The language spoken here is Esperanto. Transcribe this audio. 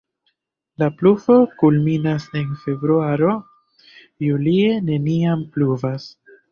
La pluvo kulminas en februaro, julie neniam pluvas.